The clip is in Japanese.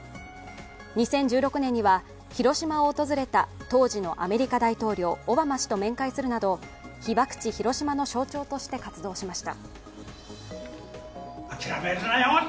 ２０１６年には広島を訪れた当時のアメリカ大統領オバマ氏と面会するなど、被爆地ヒロシマの象徴として活動しました。